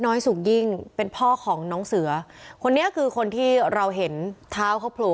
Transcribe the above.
สุกยิ่งเป็นพ่อของน้องเสือคนนี้คือคนที่เราเห็นเท้าเขาโผล่